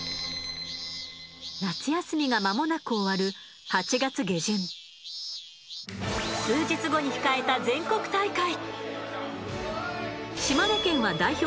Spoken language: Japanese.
夏休みが間もなく終わる数日後に控えた全国大会。